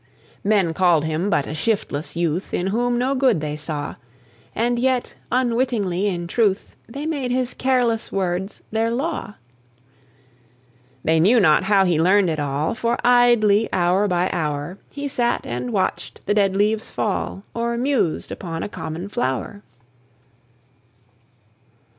Men called him but a shiftless youth, In whom no good they saw; And yet, unwittingly, in truth, They made his careless words their law. They knew not how he learned at all, For idly, hour by hour, He sat and watched the dead leaves fall, Or mused upon a common flower.